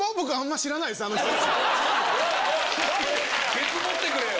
ケツ持ってくれよ。